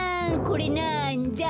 これなんだ？